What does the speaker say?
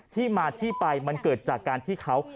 ที่มาที่ไปมันเกิดจากการที่เขา